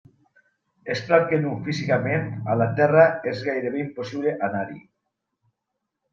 És clar que nu físicament, a la Terra, és gairebé impossible anar-hi.